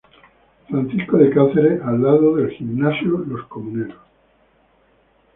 Francisco de Cáceres al lado del Gimnasio Los Comuneros.